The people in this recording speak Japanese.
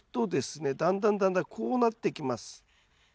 だんだんだんだんこうなっていきます。